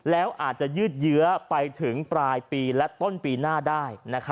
แล้วอาจจะยืดเยื้อไปถึงปลายปีและต้นปีหน้าได้